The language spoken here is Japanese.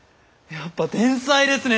やっぱ天才ですね！